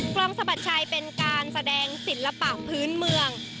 ลองสะบัดชัยเป็นการแสดงศิลปะพื้นเมือง